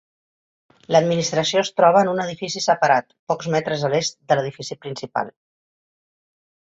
L'administració es troba en un edifici separat, pocs metres a l'est de l'edifici principal.